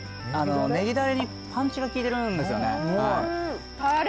ネギダレにパンチが効いてるんですよね